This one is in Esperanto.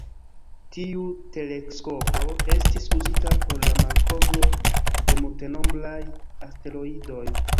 Tiu teleskopo estis uzita por la malkovro de multenombraj asteroidoj.